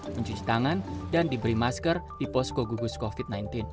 mencuci tangan dan diberi masker di posko gugus covid sembilan belas